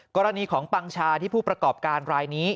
กรณีของปังชาที่ผู้ประกอบการรายนี้